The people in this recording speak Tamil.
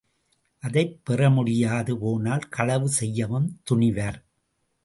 அதைப் பெறமுடியாது போனால் களவு செய்யவும் துணிவர்.